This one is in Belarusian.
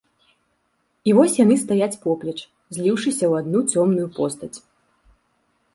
І вось яны стаяць поплеч, зліўшыся ў адну цёмную постаць.